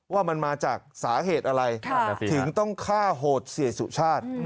ว่ามันมาจากสาเหตุอะไรถึงต้องฆ่าโหดเสียสุชาติ